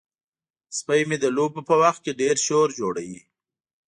سپی مې د لوبو په وخت کې ډیر شور جوړوي.